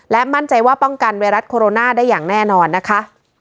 มั่นใจว่าป้องกันไวรัสโคโรนาได้อย่างแน่นอนนะคะ